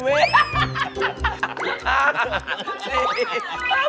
๒๐วินาที